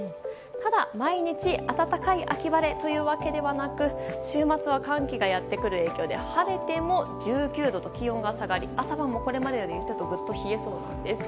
ただ、毎日暖かい秋晴れというわけではなく週末は寒気がやってくる影響で晴れても１９度と気温が下がり朝晩もこれまでより冷えそうです。